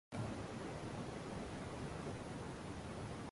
It is also known as burning bush, dittany, gas plant, and fraxinella.